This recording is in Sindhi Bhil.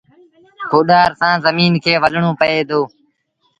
ڪوڏآر سآݩ زميݩ کي ولڻون پئي دو